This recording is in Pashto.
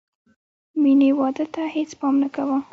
مینې واده ته هېڅ پام نه کاوه